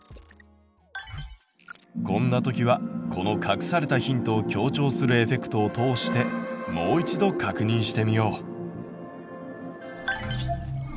こんな時はこの隠されたヒントを強調するエフェクトを通してもう一度確認してみよう！